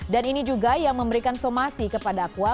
dan ini juga yang memberikan somasi kepada aqua